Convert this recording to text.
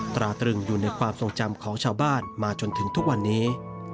ตราตรึงอยู่ในความทรงจำของชาวบ้านมาจนถึงทุกวันนี้